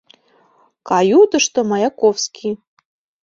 Каютышто — Маяковский